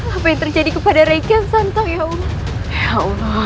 apa yang terjadi kepada reikian santang ya allah